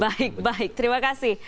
baik baik terima kasih